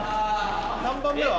３番目は？